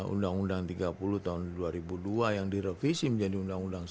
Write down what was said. undang undang tiga puluh tahun dua ribu dua yang direvisi menjadi undang undang satu